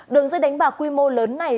đường dây đánh bạc quy mô lớn này